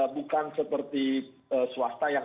bukan seperti swasta yang